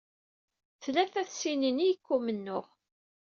Tlata tsinin i yekka umennuɣ.